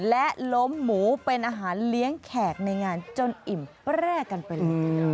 และล้มหมูเป็นอาหารเลี้ยงแขกในงานจนอิ่มแรกกันไปเลย